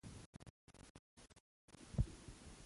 ترکیب مانا پیاوړې کوي.